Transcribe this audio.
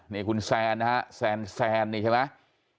นี่คุณแซนนะฮะแซนนี่ใช่ไหม